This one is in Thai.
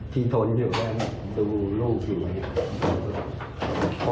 ทีทนอยู่แล้วดูลูกอยู่